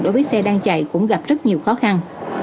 đối với xe đang chạy cũng gặp rất nhiều khó khăn